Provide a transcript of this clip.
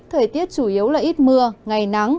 thời tiết chủ yếu là ít mưa ngày nắng